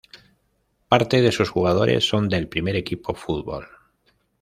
Parte de sus jugadores son del primer equipo fútbol.